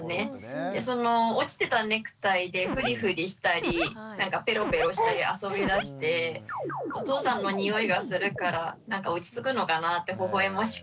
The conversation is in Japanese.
その落ちてたネクタイでフリフリしたりペロペロしたり遊びだしてお父さんの匂いがするから落ち着くのかなってほほ笑ましく思いながら